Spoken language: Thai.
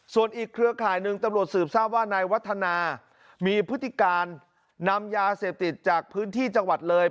ส่วนอีกเครือข่ายหนึ่งตำรวจสืบทราบว่านายวัฒนามีพฤติการนำยาเสพติดจากพื้นที่จังหวัดเลย